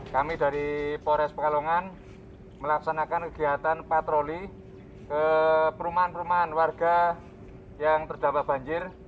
kami dari polres pekalongan melaksanakan kegiatan patroli ke perumahan perumahan warga yang terdampak banjir